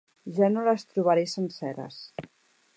Ja no les trobaré senceres.